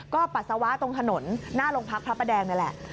ก็ปัสสาวะตรงถนนหน้าโรงพักพระประแดงนั่นแหละ